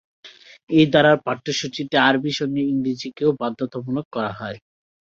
এ ধারার পাঠ্যসূচিতে আরবির সঙ্গে ইংরেজিকেও বাধ্যতামূলক করা হয়।